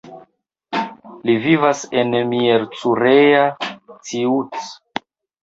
Li vivas en Miercurea Ciuc.